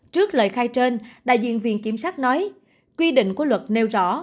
trước lời khai trên đại diện viện kiểm sát nói quy định của luật nêu rõ